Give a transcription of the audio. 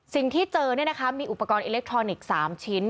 สิ่งที่เจอมีอุปกรณ์อิเล็กทรอนิกส์๓ชิ้น